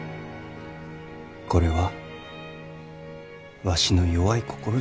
これはわしの弱い心じゃ。